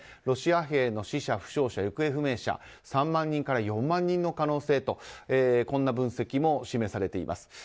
ロシア兵の死者、負傷者、行方不明者が３万人から４万人の可能性とこんな分析も示されています。